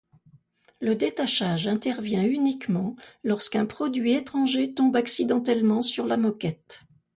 Le détachage intervient uniquement lorsqu’un produit étranger tombe accidentellement sur la moquette.